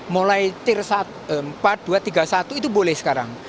mulai tir empat dua tiga satu itu boleh sekarang